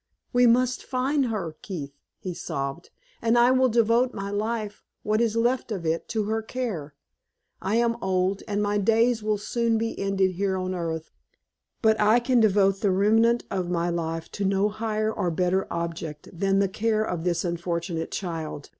"We must find her, Keith," he sobbed; "and I will devote my life, what is left of it, to her care. I am old, and my days will soon be ended here on earth; but I can devote the remnant of my life to no higher or better object than the care of this unfortunate child.